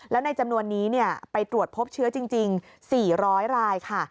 แล้วในจำนวนนี้ไปตรวจพบเชื้อจริง๔๐๐รายค่ะ